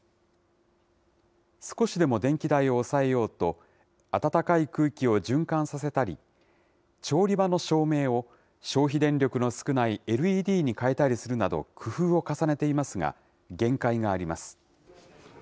少しでも電気代を抑えようと、暖かい空気を循環させたり、調理場の照明を消費電力の少ないＬＥＤに変えたりするなど、工夫を重ねていますが、限界があります。